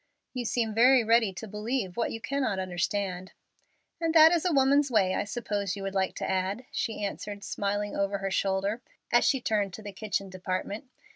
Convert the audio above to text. "You seem very ready to believe what you cannot understand." "And that is woman's way, I suppose you would like to add," she answered, smiling over her shoulder, as she turned to the kitchen department.